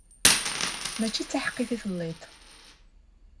Mačči d taḥeqqit i telliḍ.